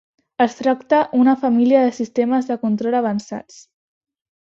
Es tracta una família de sistemes de control avançats.